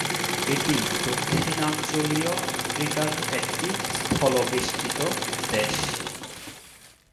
এটি দক্ষিণাঞ্চলীয় আফ্রিকার একটি স্থলবেষ্টিত দেশ।